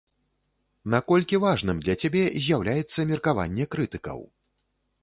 Наколькі важным для цябе з'яўляецца меркаванне крытыкаў?